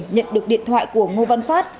nhận được điện thoại của ngô văn phát